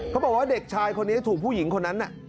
เขาบอกว่าเด็กชายคนนี้ถูกผู้หญิงคนนั้นน่ะ